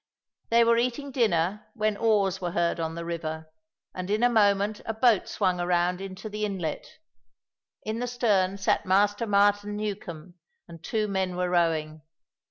They were eating dinner when oars were heard on the river, and in a moment a boat swung around into the inlet. In the stern sat Master Martin Newcombe, and two men were rowing.